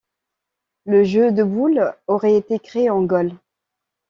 Le jeu de boules aurait été créé en Gaule.